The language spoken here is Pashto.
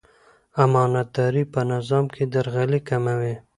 امانتداري په نظام کې درغلي کموي.